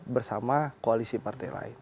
bersama koalisi partai lain